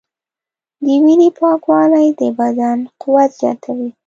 د وینې پاکوالی د بدن قوت زیاتوي.